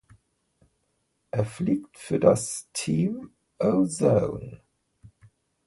Er fliegt für das Team Ozone.